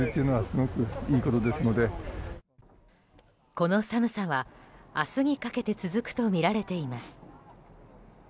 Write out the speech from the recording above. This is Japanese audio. この寒さは明日にかけて続くとみられています。